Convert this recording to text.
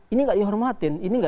ini gak dihormatin